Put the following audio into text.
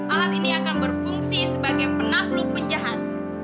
alat ini akan berfungsi sebagai penakluk penjahat